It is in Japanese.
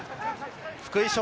福井翔